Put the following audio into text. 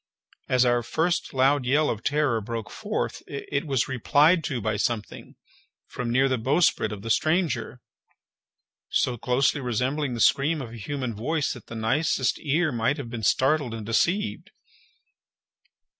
As our first loud yell of terror broke forth, it was replied to by something, from near the bowsprit of the stranger, so closely resembling the scream of a human voice that the nicest ear might have been startled and deceived.